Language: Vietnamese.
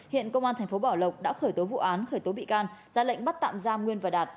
hiện công an thành phố bảo lộc đã khởi tố vụ án khởi tố bị can ra lệnh bắt tạm giam nguyên và đạt